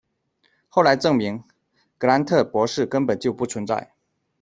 后来证明，格兰特博士根本就不存在。